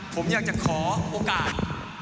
ผมอยากจะขอโอกาส